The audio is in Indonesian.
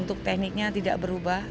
untuk tekniknya tidak berubah